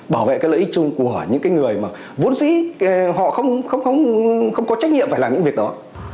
bảo vệ cái lợi ích chung của những cái người mà vốn dĩ họ không có trách nhiệm phải làm những việc đó